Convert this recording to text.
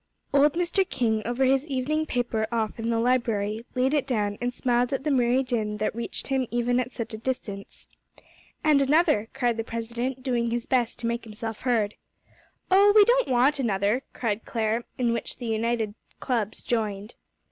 Old Mr. King, over his evening paper off in the library, laid it down, and smiled at the merry din that reached him even at such a distance. "And another," cried the president, doing his best to make himself heard. "Oh, we don't want another," cried Clare, in which the united clubs joined.